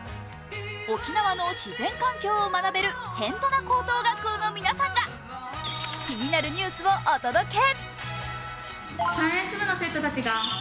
沖縄の自然環境を学べる辺土名高等学校の皆さんが気になるニュースをお届け。